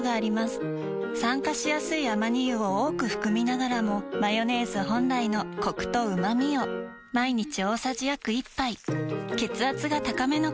酸化しやすいアマニ油を多く含みながらもマヨネーズ本来のコクとうまみを毎日大さじ約１杯血圧が高めの方に機能性表示食品